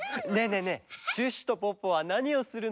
えねえシュッシュとポッポはなにをするの？